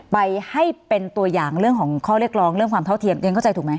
ไปให้เป็นตัวอย่างเรื่องของข้อเรียกร้องเรื่องความเท่าเทียมเรียนเข้าใจถูกไหม